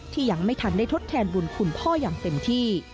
ยังไม่ทันได้ทดแทนบุญคุณพ่ออย่างเต็มที่